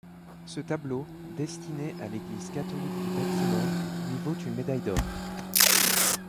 Ce tableau, destiné à l’église catholique de Baltimore, lui vaut une médaille d’or.